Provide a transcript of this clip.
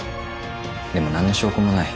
でも何の証拠もない。